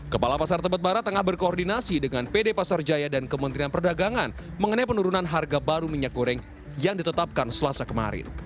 kepala pasar tebet barat tengah berkoordinasi dengan pd pasar jaya dan kementerian perdagangan mengenai penurunan harga baru minyak goreng yang ditetapkan selasa kemarin